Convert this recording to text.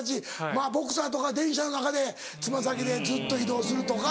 まぁボクサーとか電車の中で爪先でずっと移動するとか。